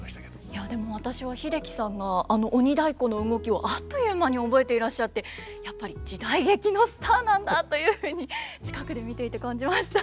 いやでも私は英樹さんがあの鬼太鼓の動きをあっという間に覚えていらっしゃってやっぱり時代劇のスターなんだというふうに近くで見ていて感じました。